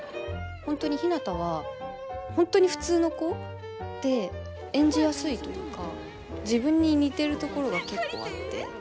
本当にひなたは本当に普通の子で演じやすいというか自分に似てるところが結構あって。